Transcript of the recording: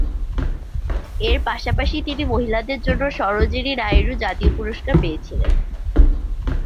এর পাশাপাশি তিনি মহিলাদের জন্য সরোজিনী নায়ডু জাতীয় পুরস্কার পেয়েছিলেন।